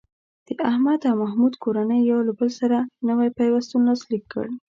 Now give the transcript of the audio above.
د احمد او محمود کورنۍ یو له بل سره نوی پیوستون لاسلیک کړ.